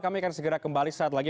kami akan segera kembali saat lagi